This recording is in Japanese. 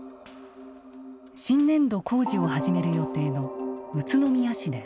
新年度工事を始める予定の宇都宮市です。